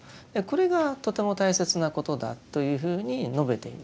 これがとても大切なことだというふうに述べています。